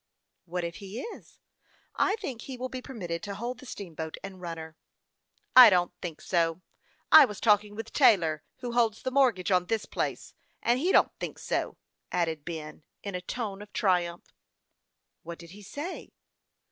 " What if he is ? I think he will be permitted to hold the steamboat, and run her." " I don't think so. I was talking with Taylor, who holds the mortgage on this place, and he don't think so," added Ben, in a tone of triumph. "What did he say?"